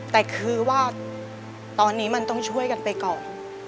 แต่คือว่าตอนนี้มันต้องช่วยกันไปก่อน